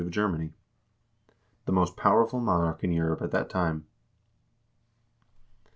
of Germany, the most powerful monarch in Europe at that time.